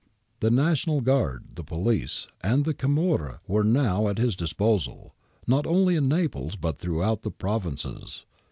The National Guard, the police, and the camorra were now at his dis posal, not only in Naples but throughout the provinces.